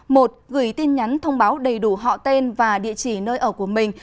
một gửi tin nhắn thông báo đầy đủ họ tên và địa chỉ nơi ở của mình